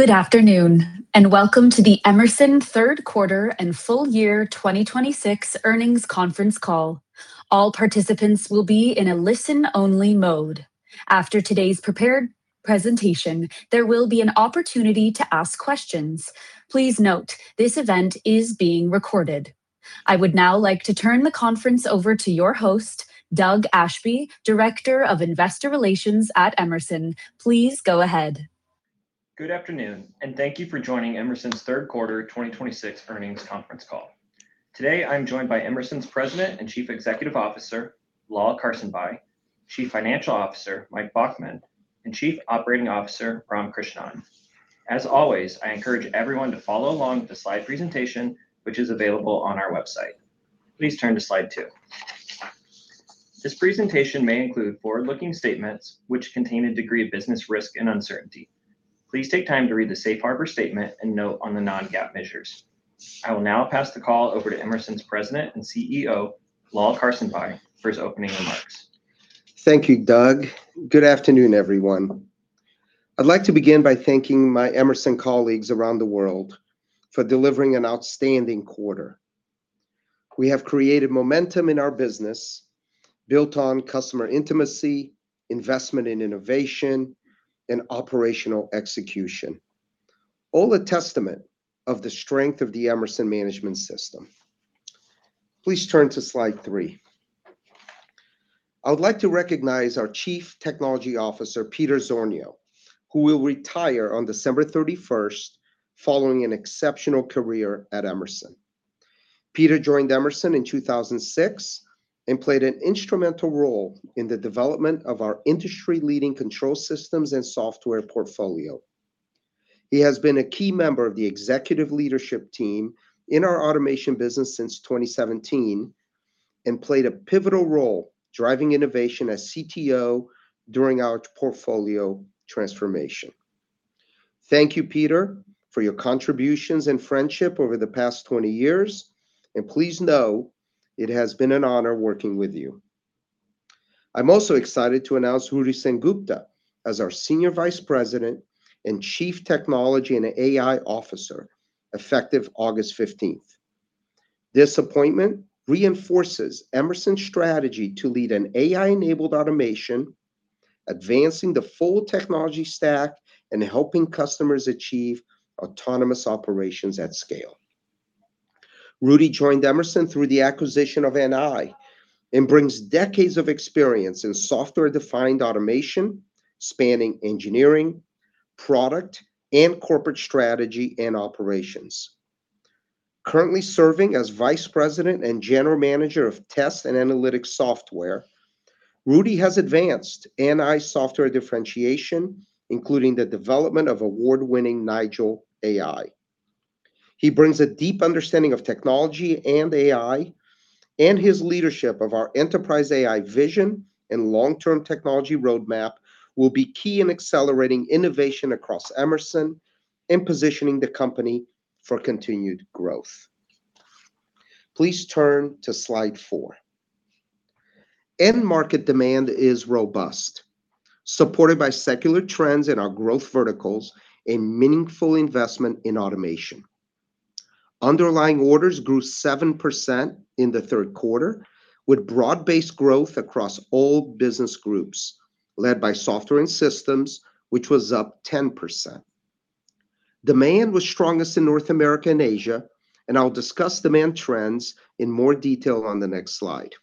Good afternoon, welcome to the Emerson third quarter and full year 2026 earnings conference call. All participants will be in a listen-only mode. After today's prepared presentation, there will be an opportunity to ask questions. Please note, this event is being recorded. I would now like to turn the conference over to your host, Doug Ashby, Director of Investor Relations at Emerson. Please go ahead. Good afternoon, thank you for joining Emerson's third quarter 2026 earnings conference call. Today, I'm joined by Emerson's President and Chief Executive Officer, Lal Karsanbhai, Chief Financial Officer, Mike Baughman, and Chief Operating Officer, Ram Krishnan. As always, I encourage everyone to follow along with the slide presentation, which is available on our website. Please turn to slide two. This presentation may include forward-looking statements which contain a degree of business risk and uncertainty. Please take time to read the safe harbor statement and note on the non-GAAP measures. I will now pass the call over to Emerson's President and CEO, Lal Karsanbhai, for his opening remarks. Thank you, Doug. Good afternoon, everyone. I'd like to begin by thanking my Emerson colleagues around the world for delivering an outstanding quarter. We have created momentum in our business, built on customer intimacy, investment in innovation, and operational execution, a testament of the strength of the Emerson Management System. Please turn to slide three. I would like to recognize our Chief Technology Officer, Peter Zornio, who will retire on December 31st following an exceptional career at Emerson. Peter joined Emerson in 2006 and played an instrumental role in the development of our industry-leading control systems and software portfolio. He has been a key member of the executive leadership team in our automation business since 2017 and played a pivotal role driving innovation as CTO during our portfolio transformation. Thank you, Peter, for your contributions and friendship over the past 20 years, please know it has been an honor working with you. I'm also excited to announce Rudy Sengupta as our Senior Vice President and Chief Technology and AI Officer, effective August 15th. This appointment reinforces Emerson's strategy to lead an AI-enabled automation, advancing the full technology stack and helping customers achieve autonomous operations at scale. Rudy joined Emerson through the acquisition of NI and brings decades of experience in software-defined automation, spanning engineering, product, and corporate strategy and operations. Currently serving as Vice President and General Manager of Test and Analytics Software, Rudy has advanced NI software differentiation, including the development of award-winning Nigel AI. He brings a deep understanding of technology and AI, and his leadership of our enterprise AI vision and long-term technology roadmap will be key in accelerating innovation across Emerson and positioning the company for continued growth. Please turn to slide four. End market demand is robust, supported by secular trends in our growth verticals and meaningful investment in automation. Underlying orders grew 7% in the third quarter, with broad-based growth across all business groups, led by Software & Systems, which was up 10%. Demand was strongest in North America and Asia, and I'll discuss demand trends in more detail on the next slide.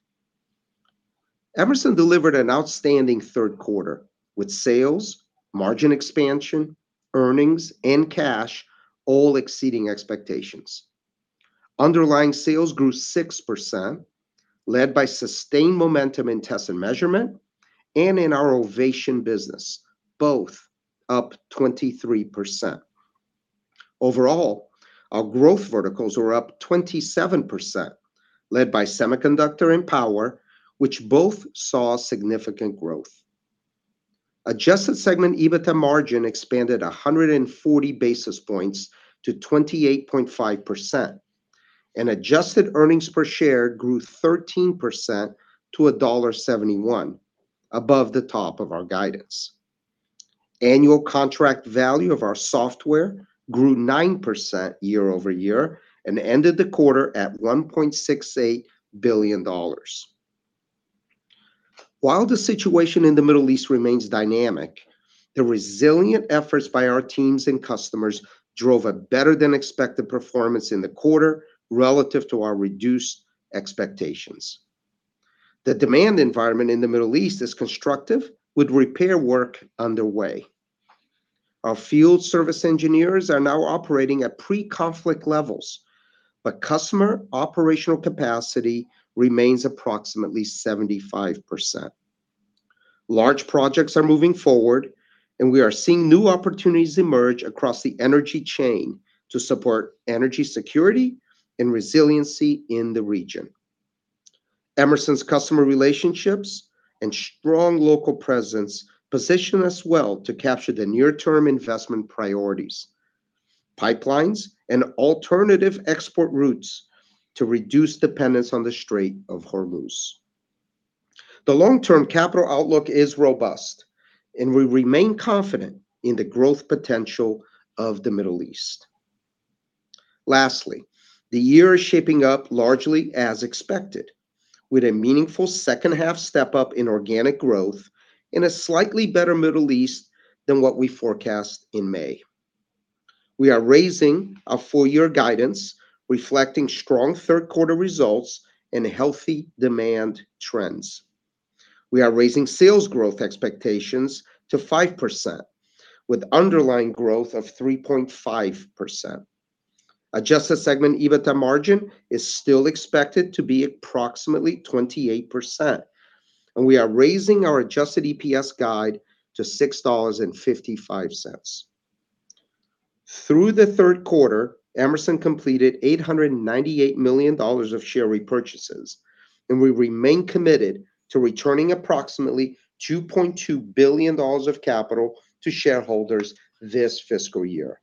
Emerson delivered an outstanding third quarter, with sales, margin expansion, earnings, and cash all exceeding expectations. Underlying sales grew 6%, led by sustained momentum in Test & Measurement and in our Ovation business, both up 23%. Overall, our growth verticals were up 27%, led by semiconductor and power, which both saw significant growth. Adjusted segment EBITA margin expanded 140 basis points to 28.5%, and adjusted earnings per share grew 13% to $1.71, above the top of our guidance. Annual contract value of our software grew 9% year-over-year and ended the quarter at $1.68 billion. While the situation in the Middle East remains dynamic, the resilient efforts by our teams and customers drove a better-than-expected performance in the quarter relative to our reduced expectations. The demand environment in the Middle East is constructive, with repair work underway. Our field service engineers are now operating at pre-conflict levels, but customer operational capacity remains approximately 75%. Large projects are moving forward, and we are seeing new opportunities emerge across the energy chain to support energy security and resiliency in the region. Emerson's customer relationships and strong local presence position us well to capture the near-term investment priorities, pipelines, and alternative export routes to reduce dependence on the Strait of Hormuz. The long-term capital outlook is robust, and we remain confident in the growth potential of the Middle East. Lastly, the year is shaping up largely as expected, with a meaningful second half step-up in organic growth and a slightly better Middle East than what we forecast in May. We are raising our full-year guidance, reflecting strong third quarter results and healthy demand trends. We are raising sales growth expectations to 5%, with underlying growth of 3.5%. Adjusted segment EBITA margin is still expected to be approximately 28%, and we are raising our adjusted EPS guide to $6.55. Through the third quarter, Emerson completed $898 million of share repurchases, and we remain committed to returning approximately $2.2 billion of capital to shareholders this fiscal year.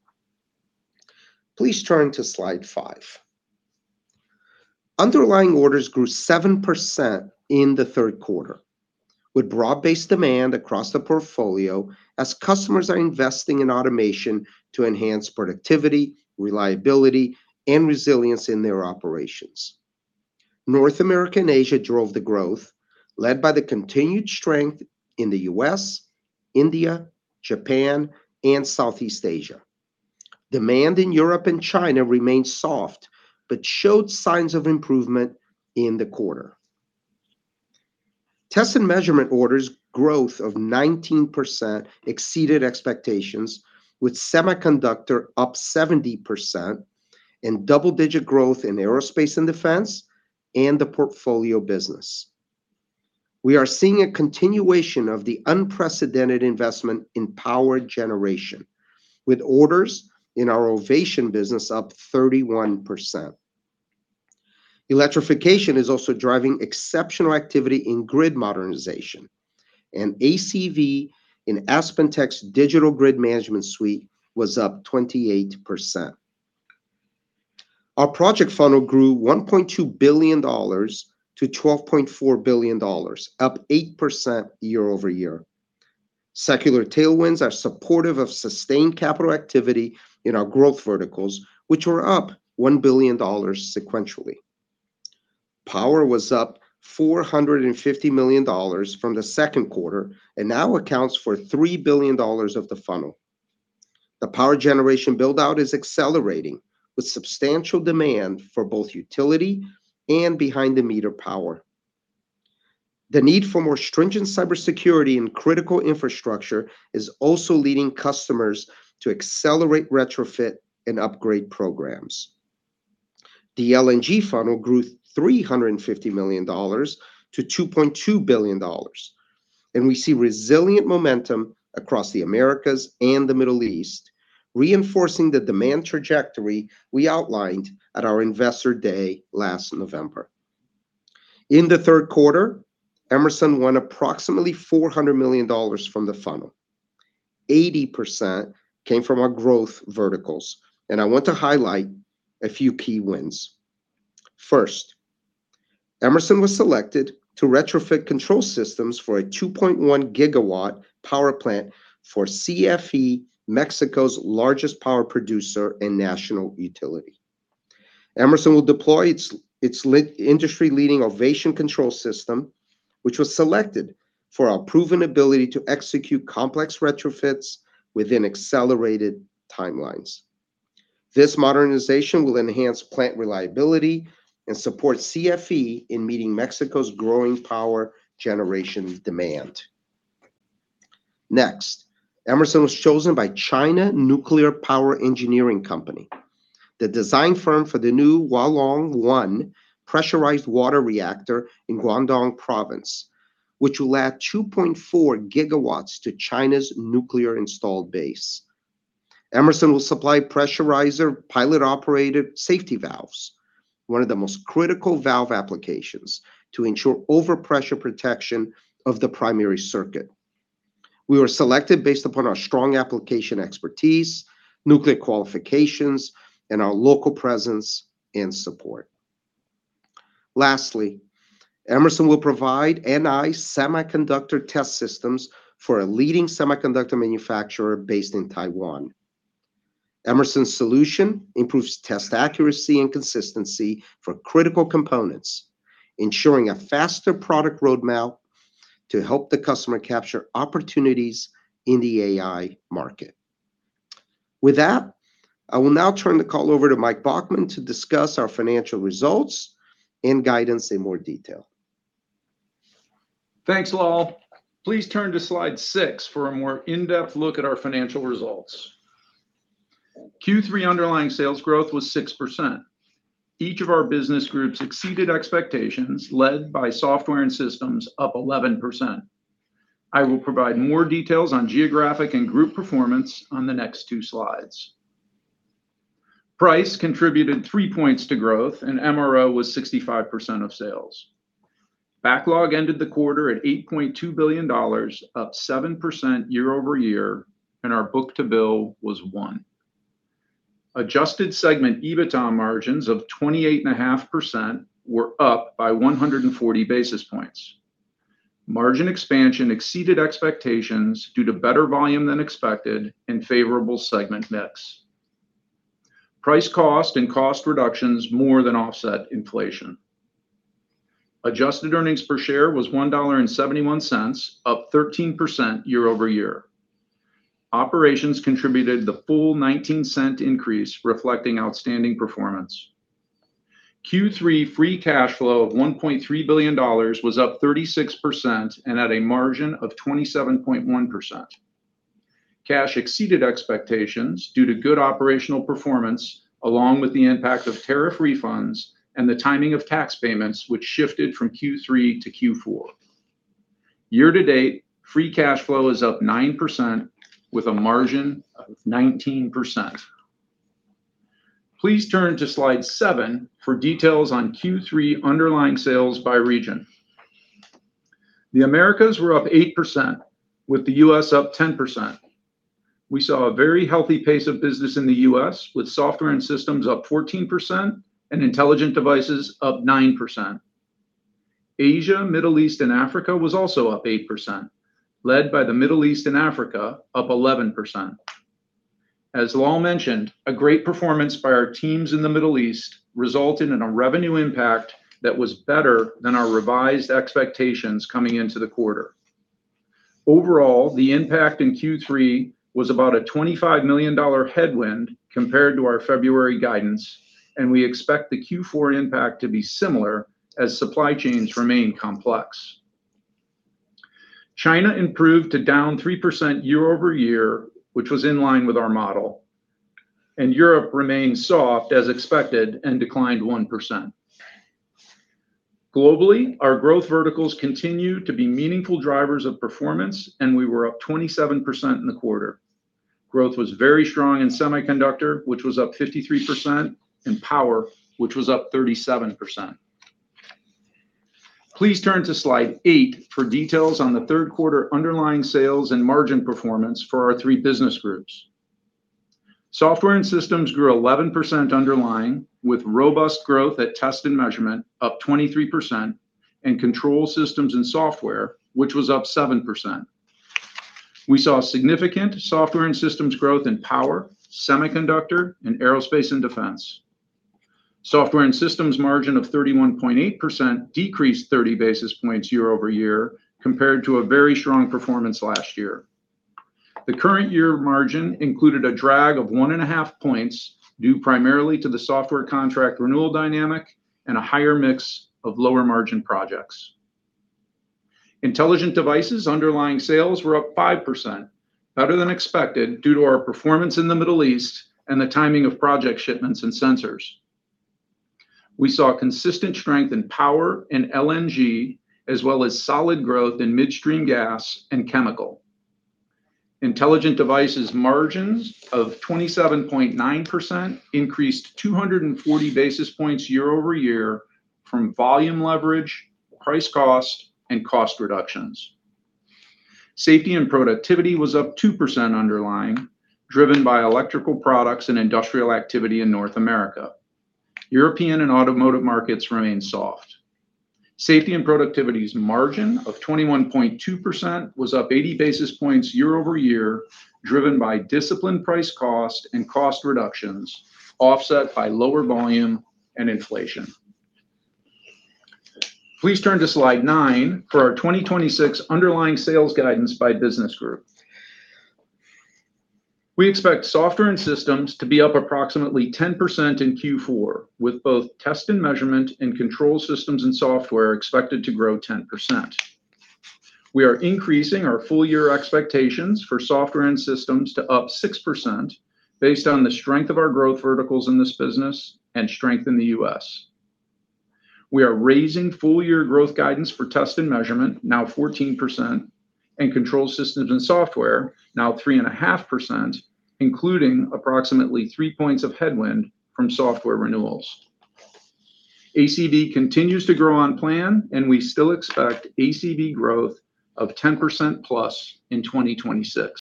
Please turn to slide five. Underlying orders grew 7% in the third quarter, with broad-based demand across the portfolio as customers are investing in automation to enhance productivity, reliability, and resilience in their operations. North America and Asia drove the growth, led by the continued strength in the U.S., India, Japan, and Southeast Asia. Demand in Europe and China remained soft but showed signs of improvement in the quarter. Test & Measurement orders growth of 19% exceeded expectations, with semiconductor up 70% and double-digit growth in aerospace and defense, and the portfolio business. We are seeing a continuation of the unprecedented investment in power generation, with orders in our Ovation business up 31%. Electrification is also driving exceptional activity in grid modernization, ACV in AspenTech's Digital Grid Management suite was up 28%. Our project funnel grew $1.2 billion to $12.4 billion, up 8% year-over-year. Secular tailwinds are supportive of sustained capital activity in our growth verticals, which were up $1 billion sequentially. Power was up $450 million from the second quarter and now accounts for $3 billion of the funnel. The power generation build-out is accelerating, with substantial demand for both utility and behind-the-meter power. The need for more stringent cybersecurity in critical infrastructure is also leading customers to accelerate retrofit and upgrade programs. The LNG funnel grew $350 million to $2.2 billion, we see resilient momentum across the Americas and the Middle East, reinforcing the demand trajectory we outlined at our Investor Day last November. In the third quarter, Emerson won approximately $400 million from the funnel. 80% came from our growth verticals, I want to highlight a few key wins. First, Emerson was selected to retrofit control systems for a 2.1 GW power plant for CFE, Mexico's largest power producer and national utility. Emerson will deploy its industry-leading Ovation Control System, which was selected for our proven ability to execute complex retrofits within accelerated timelines. This modernization will enhance plant reliability and support CFE in meeting Mexico's growing power generation demand. Next, Emerson was chosen by China Nuclear Power Engineering company, the design firm for the new Hualong One pressurized water reactor in Guangdong Province, which will add 2.4 GW to China's nuclear installed base. Emerson will supply pressurizer pilot-operated safety valves, one of the most critical valve applications to ensure overpressure protection of the primary circuit. We were selected based upon our strong application expertise, nuclear qualifications, our local presence and support. Lastly, Emerson will provide NI semiconductor test systems for a leading semiconductor manufacturer based in Taiwan. Emerson's solution improves test accuracy and consistency for critical components, ensuring a faster product roadmap to help the customer capture opportunities in the AI market. With that, I will now turn the call over to Mike Baughman to discuss our financial results and guidance in more detail. Thanks, Lal. Please turn to slide six for a more in-depth look at our financial results. Q3 underlying sales growth was 6%. Each of our business groups exceeded expectations, led by Software & Systems, up 11%. I will provide more details on geographic and group performance on the next two slides. Price contributed three points to growth, MRO was 65% of sales. Backlog ended the quarter at $8.2 billion, up 7% year-over-year, our book-to-bill was one. Adjusted segment EBITDA margins of 28.5% were up by 140 basis points. Margin expansion exceeded expectations due to better volume than expected and favorable segment mix. Price cost and cost reductions more than offset inflation. Adjusted earnings per share was $1.71, up 13% year-over-year. Operations contributed the full $0.19 increase, reflecting outstanding performance. Q3 free cash flow of $1.3 billion was up 36% and at a margin of 27.1%. Cash exceeded expectations due to good operational performance, along with the impact of tariff refunds and the timing of tax payments, which shifted from Q3 to Q4. Year-to-date, free cash flow is up 9% with a margin of 19%. Please turn to slide seven for details on Q3 underlying sales by region. The Americas were up 8%, with the U.S. up 10%. We saw a very healthy pace of business in the U.S., with Software & Systems up 14% and Intelligent Devices up 9%. Asia, Middle East, and Africa was also up 8%, led by the Middle East and Africa, up 11%. As Lal mentioned, a great performance by our teams in the Middle East resulted in a revenue impact that was better than our revised expectations coming into the quarter. Overall, the impact in Q3 was about a $25 million headwind compared to our February guidance. We expect the Q4 impact to be similar as supply chains remain complex. China improved to down 3% year-over-year, which was in line with our model. Europe remained soft as expected and declined 1%. Globally, our growth verticals continue to be meaningful drivers of performance. We were up 27% in the quarter. Growth was very strong in semiconductor, which was up 53%, and power, which was up 37%. Please turn to slide eight for details on the third quarter underlying sales and margin performance for our three business groups. Software & Systems grew 11% underlying, with robust growth at Test & Measurement up 23% and Control Systems & Software, which was up 7%. We saw significant Software & Systems growth in power, semiconductor, and aerospace and defense. Software & Systems margin of 31.8% decreased 30 basis points year-over-year compared to a very strong performance last year. The current year margin included a drag of one and a half points, due primarily to the software contract renewal dynamic and a higher mix of lower margin projects. Intelligent Devices underlying sales were up 5%, better than expected, due to our performance in the Middle East and the timing of project shipments and sensors. We saw consistent strength in power and LNG, as well as solid growth in midstream gas and chemical. Intelligent Devices margins of 27.9% increased 240 basis points year-over-year from volume leverage, price cost, and cost reductions. Safety & Productivity was up 2% underlying, driven by electrical products and industrial activity in North America. European and automotive markets remain soft. Safety & Productivity's margin of 21.2% was up 80 basis points year-over-year, driven by disciplined price cost and cost reductions offset by lower volume and inflation. Please turn to slide nine for our 2026 underlying sales guidance by business group. We expect Software & Systems to be up approximately 10% in Q4, with both Test & Measurement and Control Systems & Software expected to grow 10%. We are increasing our full year expectations for Software & Systems to up 6% based on the strength of our growth verticals in this business and strength in the U.S. We are raising full year growth guidance for Test & Measurement, now 14%, and Control Systems & Software, now 3.5%, including approximately three points of headwind from software renewals. ACV continues to grow on plan. We still expect ACV growth of 10%+ in 2026.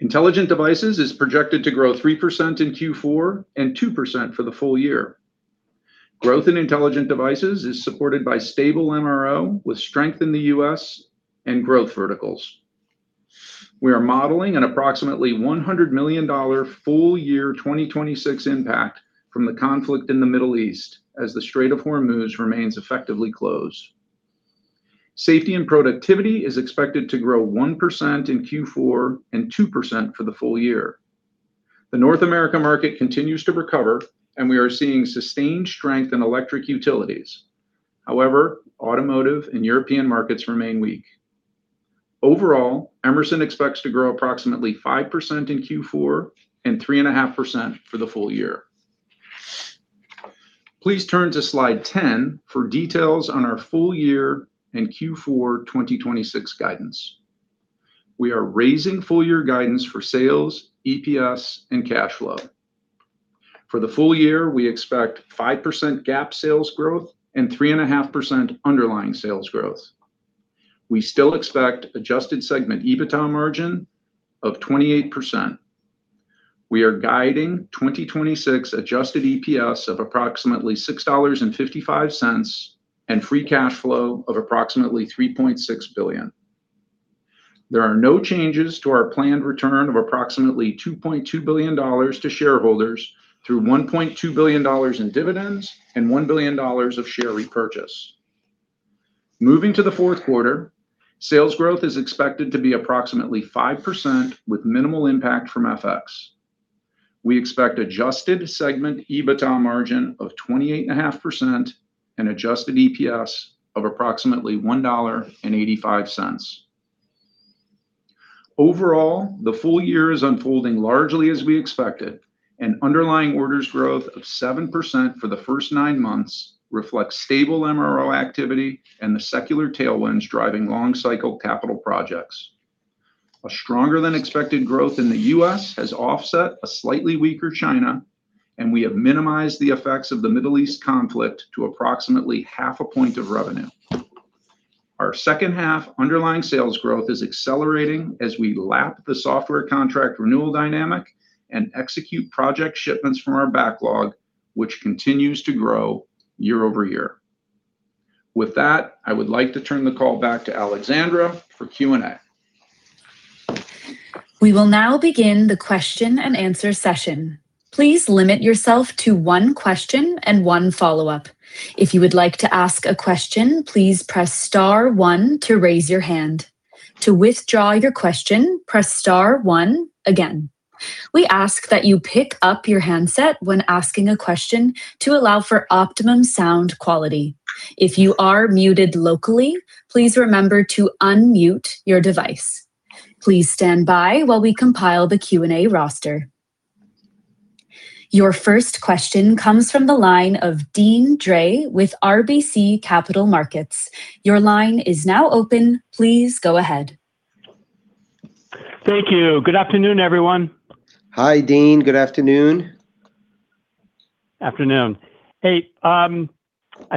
Intelligent Devices is projected to grow 3% in Q4 and 2% for the full year. Growth in Intelligent Devices is supported by stable MRO, with strength in the U.S. and growth verticals. We are modeling an approximately $100 million full year 2026 impact from the conflict in the Middle East as the Strait of Hormuz remains effectively closed. Safety & Productivity is expected to grow 1% in Q4 and 2% for the full year. The North America market continues to recover, and we are seeing sustained strength in electric utilities. However, automotive and European markets remain weak. Overall, Emerson expects to grow approximately 5% in Q4 and 3.5% for the full year. Please turn to slide 10 for details on our full year and Q4 2026 guidance. We are raising full year guidance for sales, EPS, and cash flow. For the full year, we expect 5% GAAP sales growth and 3.5% underlying sales growth. We still expect adjusted segment EBITDA margin of 28%. We are guiding 2026 adjusted EPS of approximately $6.55 and free cash flow of approximately $3.6 billion. There are no changes to our planned return of approximately $2.2 billion to shareholders through $1.2 billion in dividends and $1 billion of share repurchase. Moving to the fourth quarter, sales growth is expected to be approximately 5% with minimal impact from FX. We expect adjusted segment EBITDA margin of 28.5% and adjusted EPS of approximately $1.85. Overall, the full year is unfolding largely as we expected, and underlying orders growth of 7% for the first nine months reflects stable MRO activity and the secular tailwinds driving long-cycle capital projects. A stronger than expected growth in the U.S. has offset a slightly weaker China, and we have minimized the effects of the Middle East conflict to approximately half a point of revenue. Our second half underlying sales growth is accelerating as we lap the software contract renewal dynamic and execute project shipments from our backlog, which continues to grow year-over-year. With that, I would like to turn the call back to Alexandra for Q&A. We will now begin the question and answer session. Please limit yourself to one question and one follow-up. If you would like to ask a question, please press star one to raise your hand. To withdraw your question, press star one again. We ask that you pick up your handset when asking a question to allow for optimum sound quality. If you are muted locally, please remember to unmute your device. Please stand by while we compile the Q&A roster. Your first question comes from the line of Deane Dray with RBC Capital Markets. Your line is now open. Please go ahead. Thank you. Good afternoon, everyone. Hi, Deane. Good afternoon. Afternoon. Hey, I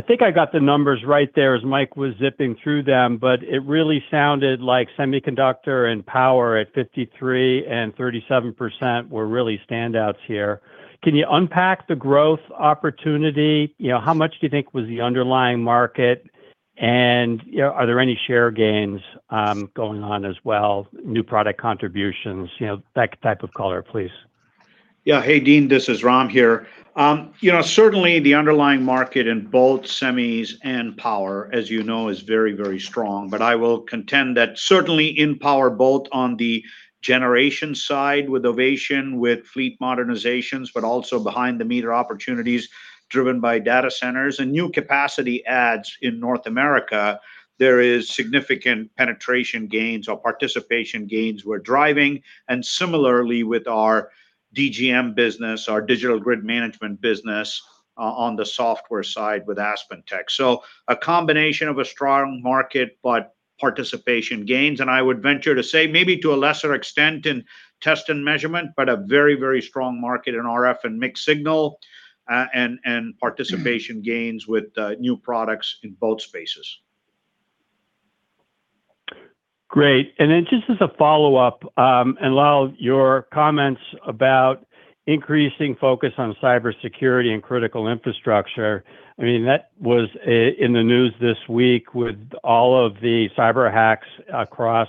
think I got the numbers right there as Mike Baughman was zipping through them. It really sounded like semiconductor and power at 53% and 37% were really standouts here. Can you unpack the growth opportunity? How much do you think was the underlying market, and are there any share gains going on as well, new product contributions, that type of color, please? Yeah. Hey, Deane, this is Ram here. Certainly, the underlying market in both semis and power, as you know, is very strong. I will contend that certainly in power, both on the generation side with Ovation, with fleet modernizations, but also behind the meter opportunities driven by data centers and new capacity adds in North America, there is significant penetration gains or participation gains we're driving. Similarly with our DGM business, our Digital Grid Management business, on the software side with AspenTech. A combination of a strong market, but participation gains, and I would venture to say maybe to a lesser extent in Test & Measurement, but a very strong market in RF and mixed signal, and participation gains with new products in both spaces. Great. Then just as a follow-up, Lal, your comments about increasing focus on cybersecurity and critical infrastructure, that was in the news this week with all of the cyber hacks across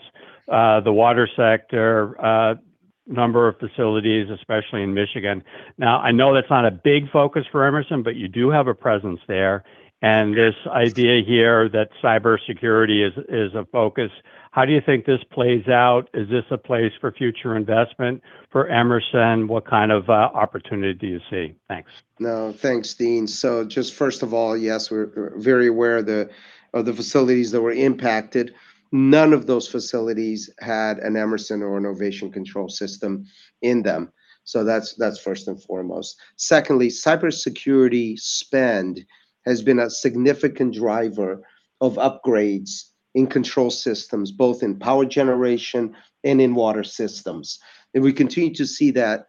the water sector, a number of facilities, especially in Michigan. Now, I know that's not a big focus for Emerson, but you do have a presence there, and this idea here that cybersecurity is a focus. How do you think this plays out? Is this a place for future investment for Emerson? What kind of opportunity do you see? Thanks. No. Thanks, Deane. Just first of all, yes, we're very aware of the facilities that were impacted. None of those facilities had an Emerson or an Ovation Control System in them. That's first and foremost. Secondly, cybersecurity spend has been a significant driver of upgrades in control systems, both in power generation and in water systems. We continue to see that,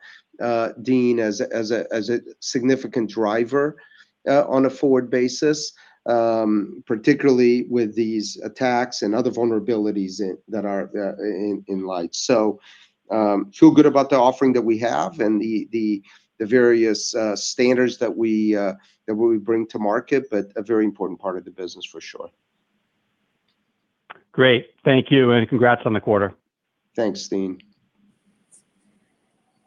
Deane, as a significant driver on a forward basis, particularly with these attacks and other vulnerabilities that are in light. Feel good about the offering that we have and the various standards that we bring to market, but a very important part of the business, for sure. Great. Thank you, and congrats on the quarter. Thanks, Deane.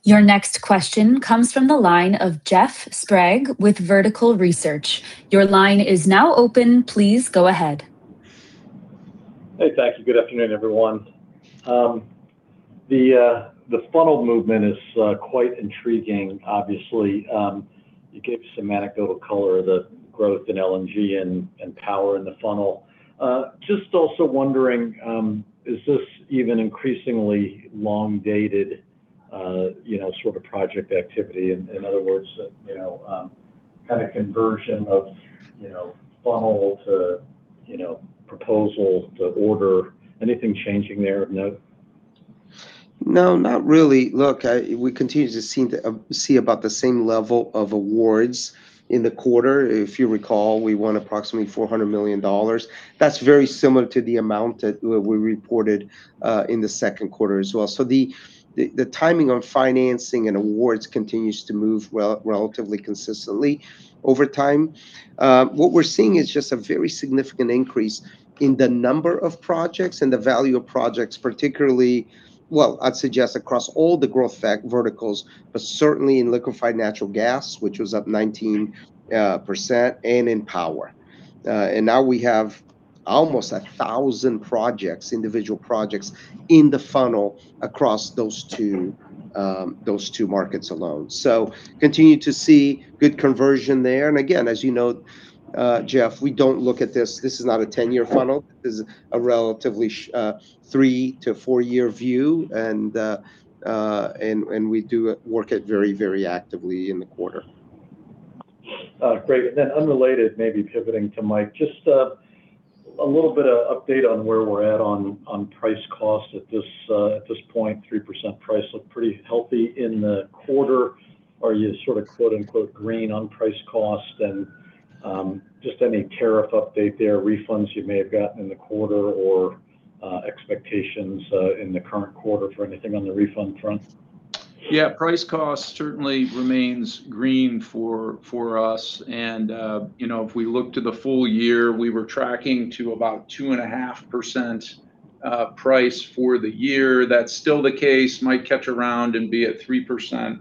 Your next question comes from the line of Jeff Sprague with Vertical Research. Your line is now open. Please go ahead. Hey, thank you. Good afternoon, everyone. The funnel movement is quite intriguing, obviously. You gave some anecdotal color of the growth in LNG and power in the funnel. Also wondering, is this even increasingly long-dated sort of project activity? In other words, kind of conversion of funnel to proposal to order. Anything changing there of note? No, not really. Look, we continue to see about the same level of awards in the quarter. If you recall, we won approximately $400 million. That's very similar to the amount that we reported in the second quarter as well. The timing on financing and awards continues to move relatively consistently over time. What we're seeing is just a very significant increase in the number of projects and the value of projects particularly, well, I'd suggest across all the growth fact verticals, but certainly in liquefied natural gas, which was up 19%, and in power. Now we have almost 1,000 individual projects in the funnel across those two markets alone. Continue to see good conversion there. Again, as you know, Jeff, we don't look at this. This is not a 10-year funnel. This is a relatively three to four-year view, we do work it very actively in the quarter. Great. Unrelated, maybe pivoting to Mike, just a little bit of update on where we're at on price cost at this point, 3% price looked pretty healthy in the quarter. Are you sort of quote unquote green on price cost? Just any tariff update there, refunds you may have gotten in the quarter or expectations in the current quarter for anything on the refund front? Yeah. Price cost certainly remains green for us. If we look to the full year, we were tracking to about 2.5% price for the year. That's still the case. Might catch a round and be at 3%,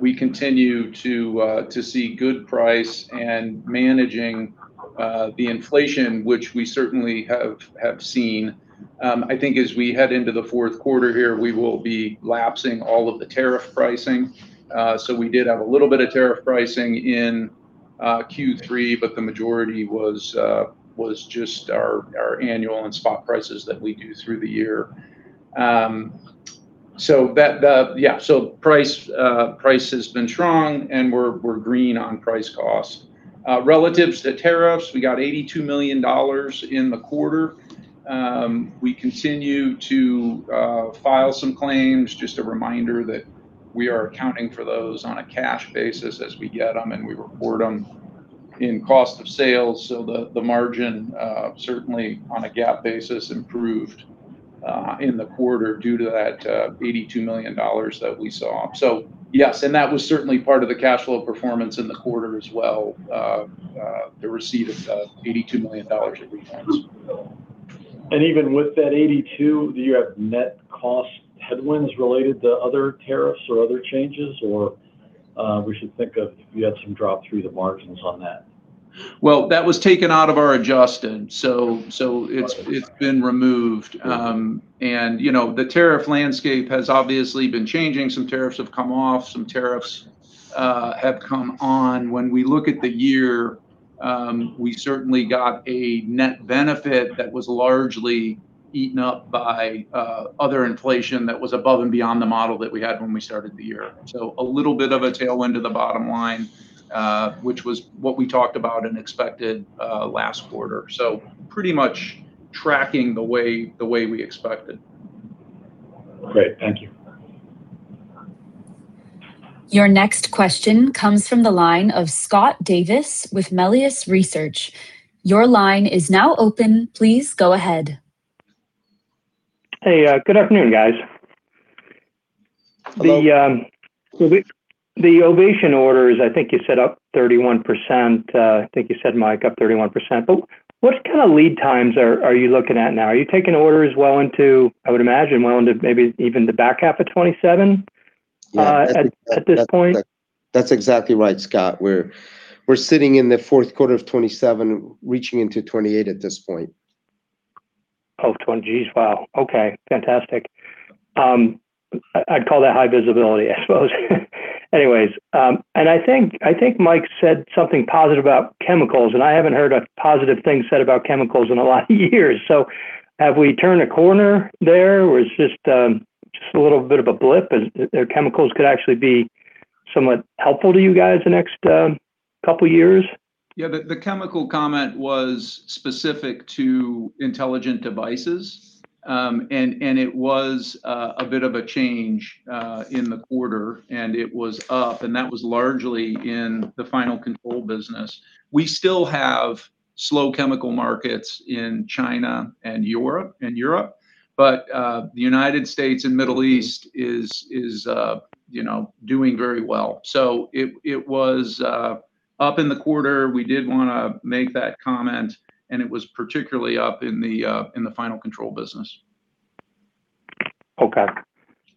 we continue to see good price and managing the inflation, which we certainly have seen. I think as we head into the fourth quarter here, we will be lapsing all of the tariff pricing. We did have a little bit of tariff pricing in Q3, the majority was just our annual and spot prices that we do through the year. Price has been strong, and we're green on price costs. Relative to tariffs, we got $82 million in the quarter. We continue to file some claims. Just a reminder that we are accounting for those on a cash basis as we get them, we report them in cost of sales. The margin, certainly on a GAAP basis, improved in the quarter due to that $82 million that we saw. Yes, that was certainly part of the cash flow performance in the quarter as well, the receipt of $82 million in refunds. Even with that $82, do you have net cost headwinds related to other tariffs or other changes? We should think of if you had some drop through the margins on that? Well, that was taken out of our adjusted so it's been removed. Good. The tariff landscape has obviously been changing. Some tariffs have come off, some tariffs have come on. When we look at the year, we certainly got a net benefit that was largely eaten up by other inflation that was above and beyond the model that we had when we started the year. A little bit of a tailwind to the bottom line, which was what we talked about and expected last quarter. Pretty much tracking the way we expected. Great. Thank you. Your next question comes from the line of Scott Davis with Melius Research. Your line is now open. Please go ahead. Hey, good afternoon guys. Hello. The Ovation orders, I think you said up 31%. I think you said, Mike, up 31%. What kind of lead times are you looking at now? Are you taking orders well into, I would imagine, well into maybe even the back half of 2027 at this point? That's exactly right, Scott. We're sitting in the fourth quarter of 2027, reaching into 2028 at this point. Of 2020. Geez. Wow, okay. Fantastic. I'd call that high visibility, I suppose. I think Mike said something positive about chemicals, I haven't heard a positive thing said about chemicals in a lot of years. Have we turned a corner there, or it's just a little bit of a blip, chemicals could actually be somewhat helpful to you guys the next couple years? Yeah, the chemical comment was specific to Intelligent Devices. It was a bit of a change in the quarter, it was up, that was largely in the Final Control business. We still have slow chemical markets in China and Europe, but the United States and Middle East is doing very well. It was up in the quarter. We did want to make that comment, it was particularly up in the Final Control business. Okay.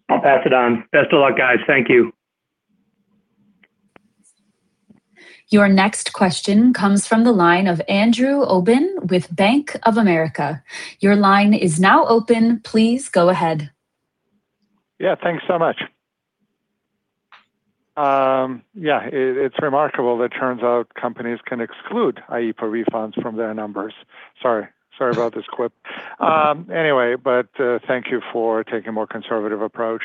I'll pass it on. Best of luck, guys. Thank you. Your next question comes from the line of Andrew Obin with Bank of America. Your line is now open. Please go ahead. Thanks so much. It is remarkable that turns out companies can exclude IEEPA refunds from their numbers. Sorry about this quip. Thank you for taking a more conservative approach.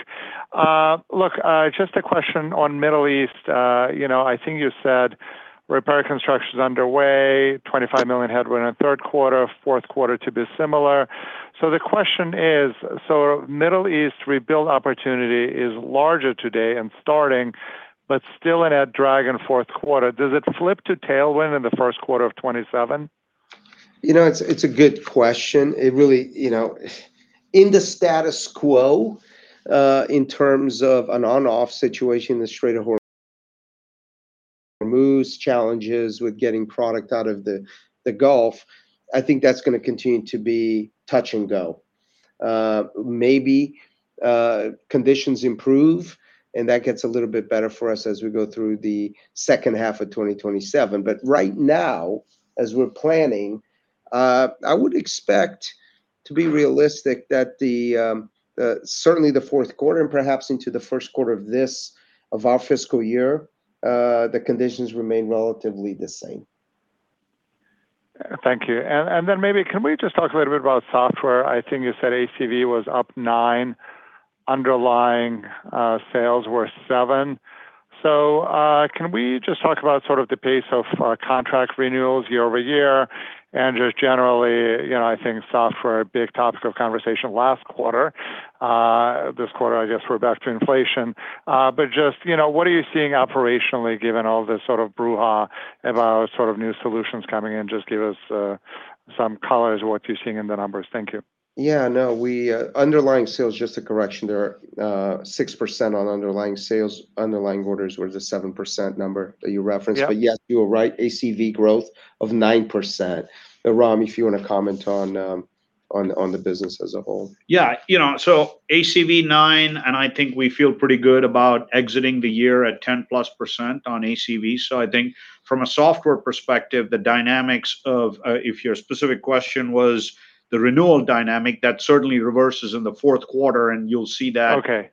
Just a question on Middle East. I think you said repair construction is underway, $25 million headwind on third quarter, fourth quarter to be similar. The question is, Middle East rebuild opportunity is larger today and starting, but still in a drag in fourth quarter. Does it flip to tailwind in the first quarter of 2027? It is a good question. In the status quo, in terms of an on/off situation in the Strait of Hormuz, challenges with getting product out of the Gulf, I think that is going to continue to be touch and go. Maybe conditions improve and that gets a little bit better for us as we go through the second half of 2027. Right now, as we are planning, I would expect to be realistic that certainly the fourth quarter and perhaps into the first quarter of our fiscal year, the conditions remain relatively the same. Thank you. Maybe, can we just talk a little bit about software? I think you said ACV was up nine, underlying sales were seven. Can we just talk about sort of the pace of contract renewals year-over-year? Just generally, I think software, a big topic of conversation last quarter. This quarter, I guess we are back to inflation. Just what are you seeing operationally given all the sort of brouhaha about sort of new solutions coming in? Just give us some color as to what you are seeing in the numbers. Thank you. No. Underlying sales, just a correction there, 6% on underlying sales. Underlying orders was the 7% number that you referenced. Yeah. Yes, you were right, ACV growth of 9%. Ram, if you want to comment on the business as a whole. ACV nine, I think we feel pretty good about exiting the year at 10%+ on ACV. I think from a software perspective, the dynamics of, if your specific question was the renewal dynamic, that certainly reverses in the fourth quarter, you'll see that- Okay....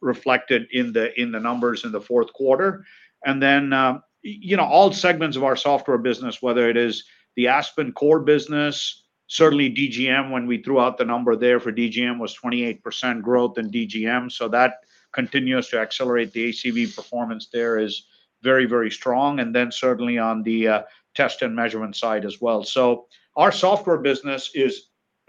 reflected in the numbers in the fourth quarter. All segments of our software business, whether it is the Aspen core business. Certainly DGM, when we threw out the number there for DGM, was 28% growth in DGM, that continues to accelerate. The ACV performance there is very strong. certainly on the Test & Measurement side as well. Our software business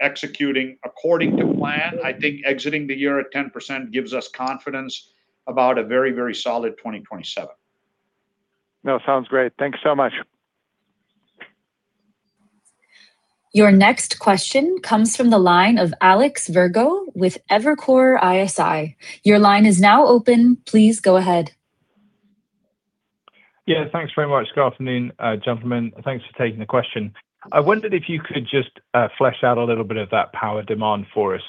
is executing according to plan. I think exiting the year at 10% gives us confidence about a very solid 2027. Sounds great. Thank you so much. Your next question comes from the line of Alex Virgo with Evercore ISI. Your line is now open. Please go ahead. Yeah. Thanks very much. Good afternoon, gentlemen. Thanks for taking the question. I wondered if you could just flesh out a little bit of that power demand for us.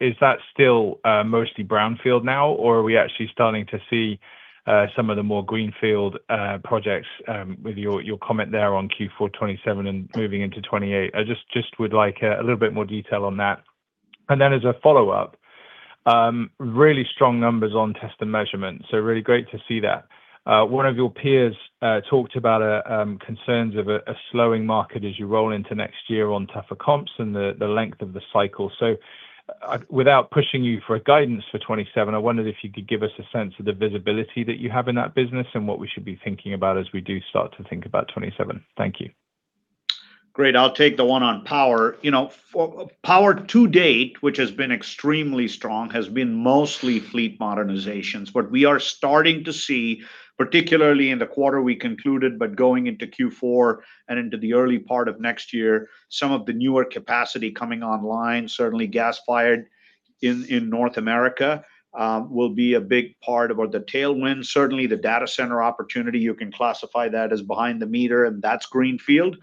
Is that still mostly brownfield now, or are we actually starting to see some of the more greenfield projects with your comment there on Q4 2027 and moving into 2028? I just would like a little bit more detail on that. As a follow-up, really strong numbers on Test & Measurement, really great to see that. One of your peers talked about concerns of a slowing market as you roll into next year on tougher comps and the length of the cycle. Without pushing you for a guidance for 2027, I wondered if you could give us a sense of the visibility that you have in that business and what we should be thinking about as we do start to think about 2027. Thank you. Great. I'll take the one on power. Power to-date, which has been extremely strong, has been mostly fleet modernizations. What we are starting to see, particularly in the quarter we concluded, going into Q4 and into the early part of next year, some of the newer capacity coming online, certainly gas-fired in North America, will be a big part about the tailwind. Certainly the data center opportunity, you can classify that as behind the meter, and that's greenfield.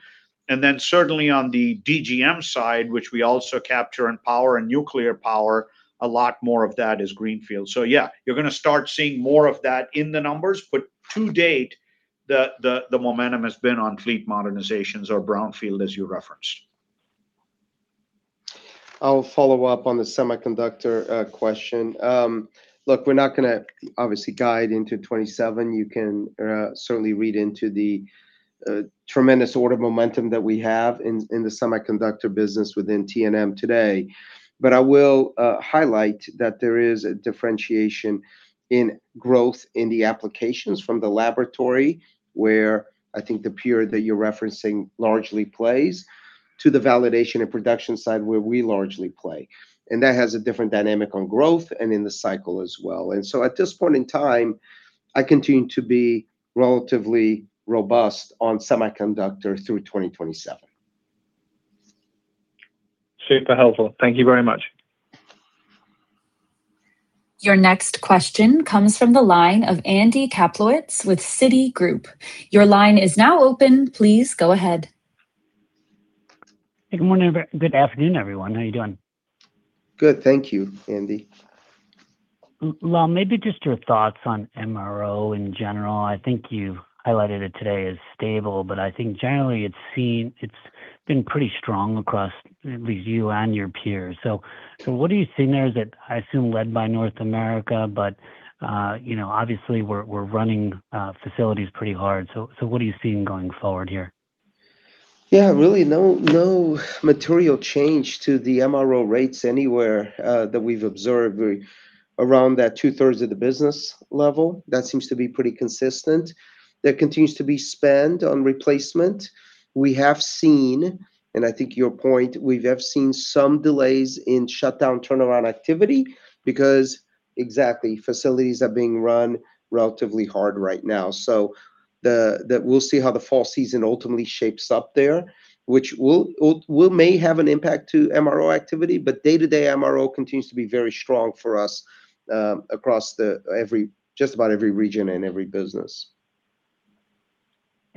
Certainly on the DGM side, which we also capture in power and nuclear power, a lot more of that is greenfield. Yeah, you're going to start seeing more of that in the numbers. To-date, the momentum has been on fleet modernizations or brownfield, as you referenced. I'll follow up on the semiconductor question. Look, we're not going to obviously guide into 2027. You can certainly read into the tremendous order momentum that we have in the semiconductor business within T&M today. I will highlight that there is a differentiation in growth in the applications from the laboratory, where I think the period that you're referencing largely plays, to the validation and production side, where we largely play. That has a different dynamic on growth and in the cycle as well. At this point in time, I continue to be relatively robust on semiconductor through 2027. Super helpful. Thank you very much. Your next question comes from the line of Andrew Kaplowitz with Citigroup. Your line is now open. Please go ahead. Good afternoon, everyone. How you doing? Good, thank you, Andy. Well, maybe just your thoughts on MRO in general. I think you've highlighted it today as stable, but I think generally it's been pretty strong across at least you and your peers. What are you seeing there? I assume, led by North America, but obviously we're running facilities pretty hard, so what are you seeing going forward here? Yeah, really no material change to the MRO rates anywhere that we've observed. We're around that two-thirds of the business level. That seems to be pretty consistent. There continues to be spend on replacement. We have seen, and I think your point, we have seen some delays in shutdown turnaround activity because exactly, facilities are being run relatively hard right now. We'll see how the fall season ultimately shapes up there, which may have an impact to MRO activity, but day-to-day MRO continues to be very strong for us across just about every region and every business.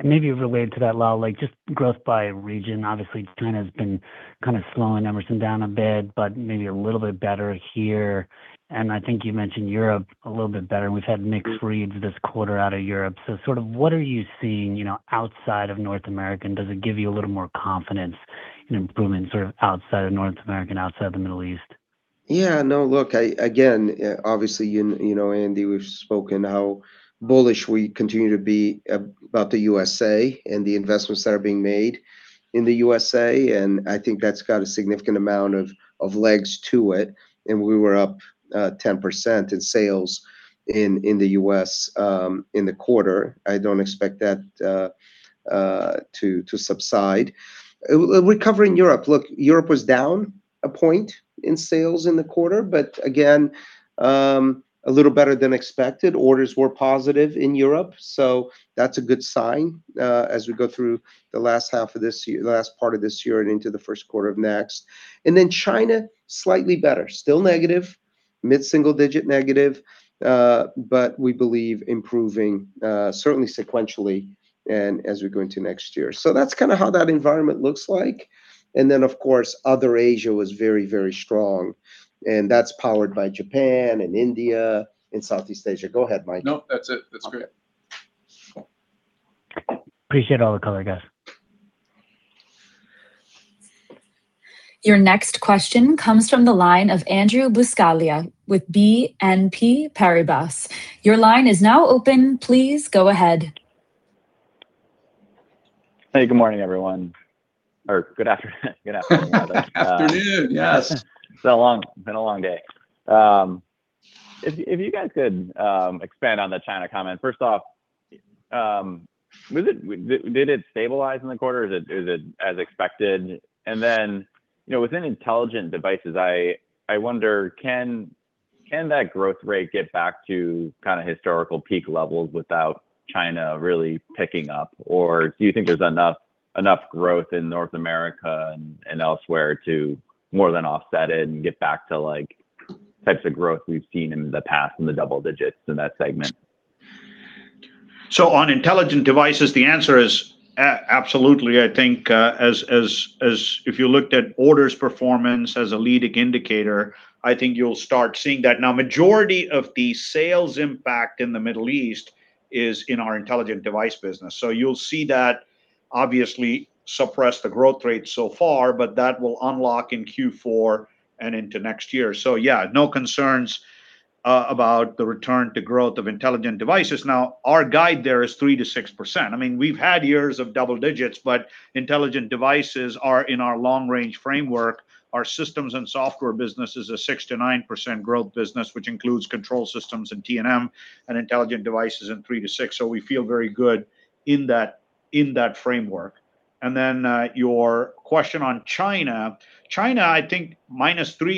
Maybe related to that, Lal, just growth by region. Obviously, China's been kind of slowing Emerson down a bit, but maybe a little bit better here. I think you mentioned Europe a little bit better. We've had mixed reads this quarter out of Europe. What are you seeing outside of North America, and does it give you a little more confidence in improvements outside of North America and outside the Middle East? Yeah. No, look, again, obviously, Andy, we've spoken how bullish we continue to be about the U.S.A. and the investments that are being made in the U.S.A., and I think that's got a significant amount of legs to it, and we were up 10% in sales in the U.S. in the quarter. I don't expect that to subside. Recovering Europe. Look, Europe was down a point in sales in the quarter, but again, a little better than expected. Orders were positive in Europe, so that's a good sign as we go through the last part of this year and into the first quarter of next. China, slightly better. Still negative, mid-single digit negative, but we believe improving, certainly sequentially and as we go into next year. That's kind of how that environment looks like. Of course, other Asia was very strong, and that's powered by Japan and India and Southeast Asia. Go ahead, Mike. No, that's it. That's great. Appreciate all the color, guys. Your next question comes from the line of Andrew Buscaglia with BNP Paribas. Your line is now open. Please go ahead. Hey, good morning, everyone. Good afternoon rather. Good afternoon, yes. It's been a long day. If you guys could expand on the China comment. First off, did it stabilize in the quarter? Is it as expected? Then, within Intelligent Devices, I wonder, can that growth rate get back to kind of historical peak levels without China really picking up? Do you think there's enough growth in North America and elsewhere to more than offset it and get back to types of growth we've seen in the past in the double digits in that segment? On Intelligent Devices, the answer is absolutely. If you looked at orders performance as a leading indicator, you'll start seeing that. Majority of the sales impact in the Middle East is in our Intelligent Devices business. You'll see that obviously suppress the growth rate so far, but that will unlock in Q4 and into next year. No concerns about the return to growth of Intelligent Devices. Our guide there is 3%-6%. We've had years of double digits, but Intelligent Devices are in our long range framework. Our Software & Systems business is a 6%-9% growth business, which includes Control Systems & Software and T&M, and Intelligent Devices in 3%-6%. We feel very good in that framework. Your question on China. China, -3%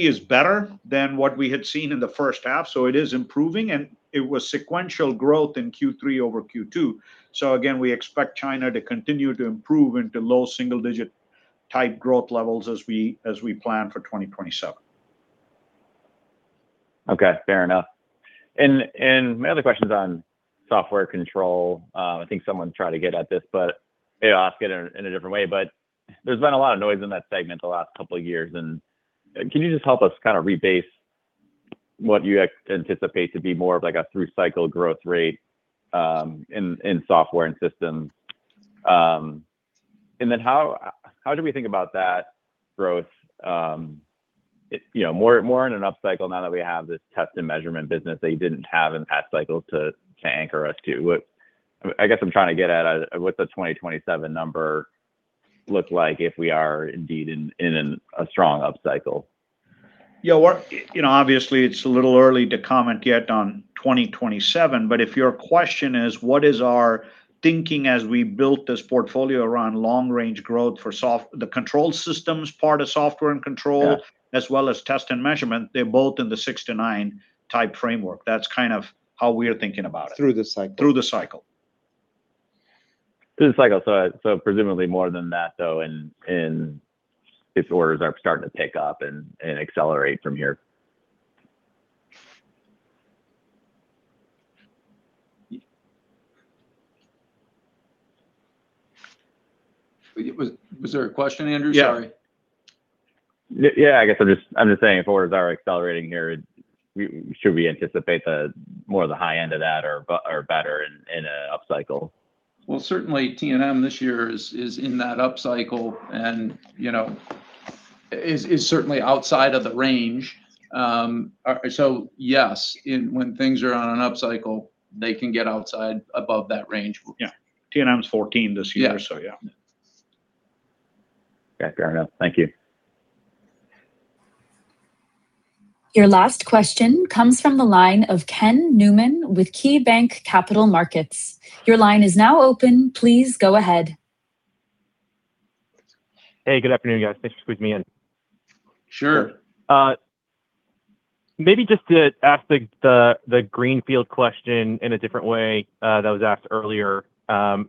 is better than what we had seen in the first half, so it is improving, and it was sequential growth in Q3 over Q2. We expect China to continue to improve into low single-digit type growth levels as we plan for 2027. Okay, fair enough. My other question's on software control. Someone tried to get at this, but maybe I'll ask it in a different way. There's been a lot of noise in that segment the last couple of years, and can you just help us kind of rebase what you anticipate to be more of a through cycle growth rate in Software & Systems? How do we think about that growth more in an up cycle now that we have this Test & Measurement business that you didn't have in past cycles to anchor us to? I guess I'm trying to get at what the 2027 number looks like if we are indeed in a strong up cycle. Obviously, it's a little early to comment yet on 2027, but if your question is what is our thinking as we built this portfolio around long range growth for the Control Systems & Software part of Software & Systems- Yeah... & Control as well as Test & Measurement, they're both in the six to nine type framework. That's kind of how we're thinking about it. Through the cycle. Through the cycle. Through the cycle. Presumably more than that, though, if orders are starting to pick up and accelerate from here. Was there a question, Andrew? Sorry. Yeah. I guess I'm just saying if orders are accelerating here, should we anticipate more of the high end of that or better in an upcycle? Well, certainly T&M this year is in that upcycle. Is certainly outside of the range. Yes, when things are on an upcycle, they can get outside above that range. Yeah. T&M's 14 this year. Yeah. Yeah. Okay, fair enough. Thank you. Your last question comes from the line of Ken Newman with KeyBanc Capital Markets. Your line is now open. Please go ahead. Hey, good afternoon, guys. Thanks for squeezing me in. Sure. Maybe just to ask the Greenfield question in a different way that was asked earlier. Ram,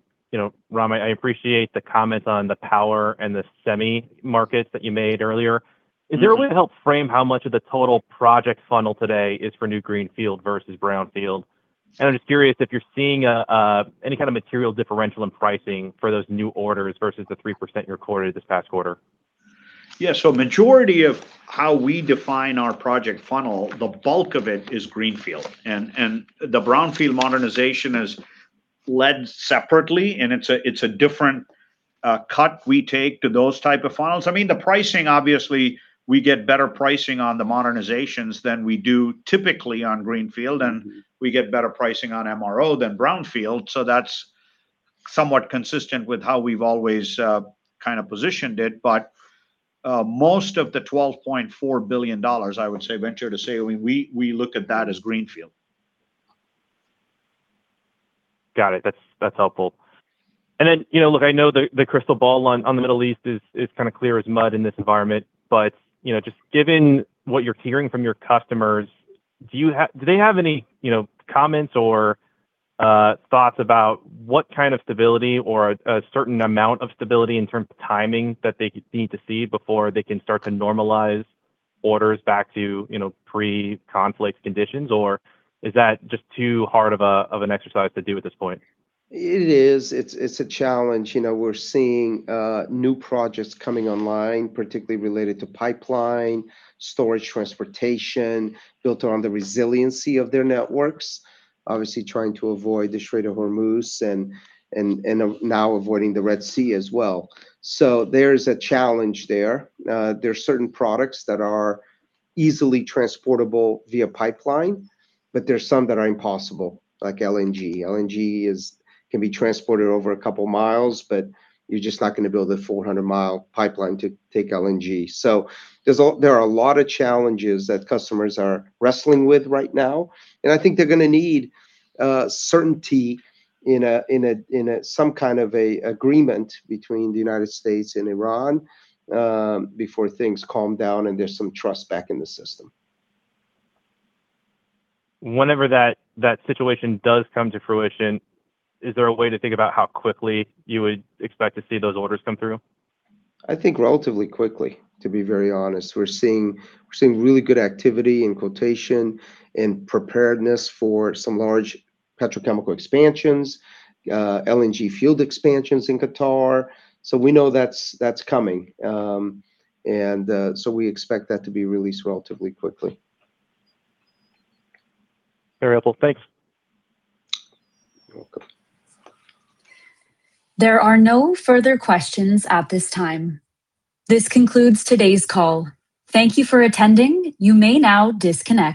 I appreciate the comments on the power and the semi markets that you made earlier. Is there a way to help frame how much of the total project funnel today is for new Greenfield versus Brownfield? I'm just curious if you're seeing any kind of material differential in pricing for those new orders versus the 3% you recorded this past quarter. Majority of how we define our project funnel, the bulk of it is Greenfield, and the Brownfield modernization is led separately, and it's a different cut we take to those type of funnels. The pricing, obviously, we get better pricing on the modernizations than we do typically on Greenfield and we get better pricing on MRO than Brownfield, that's somewhat consistent with how we've always kind of positioned it. Most of the $12.4 billion, I would venture to say, we look at that as Greenfield. Got it. That's helpful. Look, I know the crystal ball on the Middle East is kind of clear as mud in this environment, just given what you're hearing from your customers, do they have any comments or thoughts about what kind of stability or a certain amount of stability in terms of timing that they need to see before they can start to normalize orders back to pre-conflict conditions or is that just too hard of an exercise to do at this point? It is. It's a challenge. We're seeing new projects coming online, particularly related to pipeline, storage transportation, built around the resiliency of their networks, obviously trying to avoid the Strait of Hormuz and now avoiding the Red Sea as well. There's a challenge there. There's certain products that are easily transportable via pipeline, there's some that are impossible, like LNG. LNG can be transported over a couple miles, you're just not going to build a 400 mi pipeline to take LNG. There are a lot of challenges that customers are wrestling with right now, I think they're going to need certainty in some kind of a agreement between the United States and Iran before things calm down and there's some trust back in the system. Whenever that situation does come to fruition, is there a way to think about how quickly you would expect to see those orders come through? I think relatively quickly, to be very honest. We're seeing really good activity in quotation and preparedness for some large petrochemical expansions, LNG field expansions in Qatar. We know that's coming. We expect that to be released relatively quickly. Very helpful. Thanks. There are no further questions at this time. This concludes today's call. Thank you for attending. You may now disconnect.